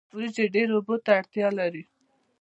وریجې ډیرو اوبو ته اړتیا لري